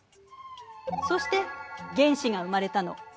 そして原子が生まれたの。